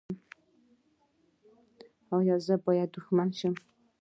ایا زه باید دښمن شم؟